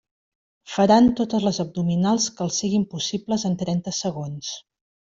Faran totes les abdominals que els siguin possibles en trenta segons.